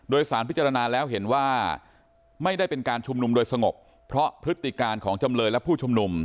โดยสารพิจารณาแล้วเห็นว่าไม่ได้เป็นการชุมนุมโดยสงบเพราะพฤติการของจำเลยและผู้ชุมนุม